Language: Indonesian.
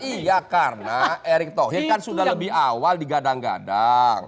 iya karena erick thohir kan sudah lebih awal digadang gadang